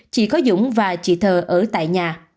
chỉ có dũng và chị tờ ở tại nhà